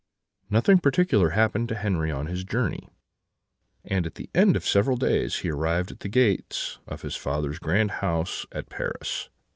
"Nothing particular happened to Henri on his journey; and at the end of several days he arrived at the gates of his father's grand house at Paris.